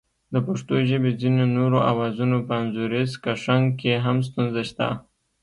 د پښتو ژبې ځینو نورو آوازونو په انځوریز کښنګ کې هم ستونزه شته